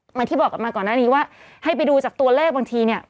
เหมือนที่บอกกันมาก่อนหน้านี้ว่าให้ไปดูจากตัวเลขบางทีเนี่ย